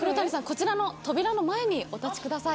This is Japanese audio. こちらの扉の前にお立ちください。